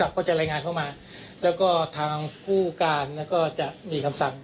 การเขาจะรายงานเข้ามาแล้วก็ทางผู้การแล้วก็จะมีคำตังค์